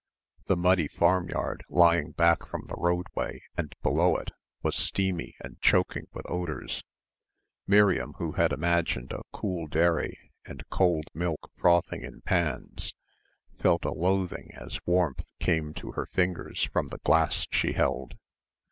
The muddy farmyard, lying back from the roadway and below it, was steamy and choking with odours. Miriam who had imagined a cool dairy and cold milk frothing in pans, felt a loathing as warmth came to her fingers from the glass she held.